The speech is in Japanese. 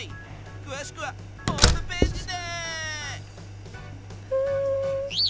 詳しくはホームページで！